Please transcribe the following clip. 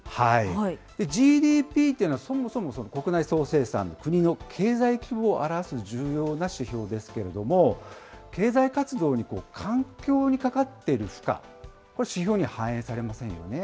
ＧＤＰというのは、そもそも国内総生産、国の経済規模を表す重要な指標ですけれども、経済活動に環境にかかっている負荷、これ、指標には反映されませんよね。